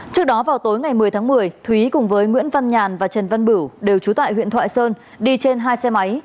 trước đó vào tối ngày một mươi tháng một mươi thúy cùng với nguyễn văn nhàn và trần văn bửu đều trú tại huyện thoại sơn đi trên hai xe máy